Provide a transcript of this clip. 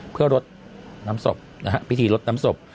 เพื่อรดน้ำศพนะฮะพิธีรดน้ำศพ